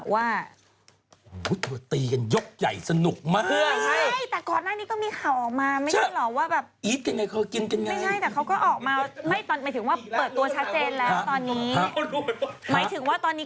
วเปิดตัวชัดแจนแล้วตอนนี้